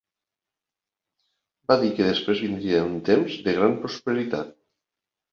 Va dir que després vindria un temps de gran prosperitat.